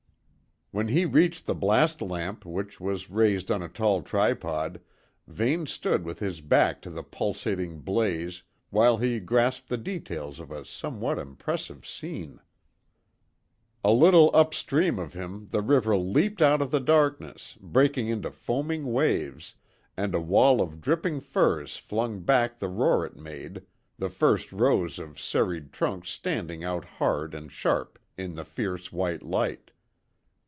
When he reached the blast lamp, which was raised on a tall tripod, Vane stood with his back to the pulsating blaze while he grasped the details of a somewhat impressive scene. A little up stream of him the river leaped out of the darkness, breaking into foaming waves, and a wall of dripping firs flung back the roar it made, the first rows of serried trunks standing out hard and sharp in the fierce white light.